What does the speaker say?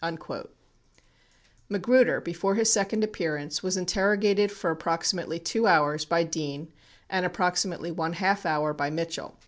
8 Magruder, before his second appearance, was interrogated for ap proximately 2 hours by Dean and approximately one half hour by Mitchell.